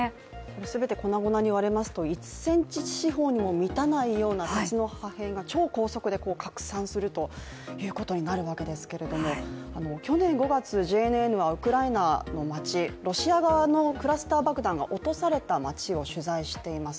全て粉々に割れますと１ｃｍ四方に満たないような鉄の破片が超高速で拡散するということになるわけですけれども去年５月ＪＮＮがウクライナの町、ロシア側のクラスター爆弾が落とされた町を取材しています。